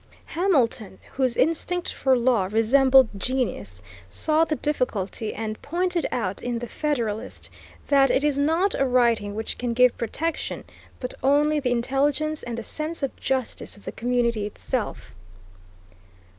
Hamilton, whose instinct for law resembled genius, saw the difficulty and pointed out in the Federalist that it is not a writing which can give protection, but only the intelligence and the sense of justice of the community itself.